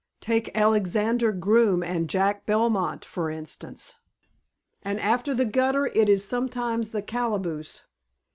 Take Alexander Groome and Jack Belmont, for instance. And after the gutter it is sometimes the calaboose."